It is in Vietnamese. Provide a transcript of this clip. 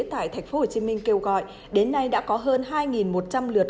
tại tp hcm kêu gọi đến nay đã có hơn hai một trăm linh lượt